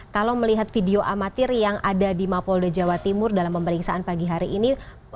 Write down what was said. kalau melihat video amatir yang ada di mapolda jawa timur dalam pemeriksaan pagi hari ini